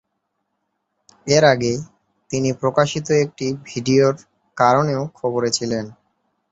এর আগে, তিনি প্রকাশিত একটি ভিডিওর কারণেও খবরে ছিলেন।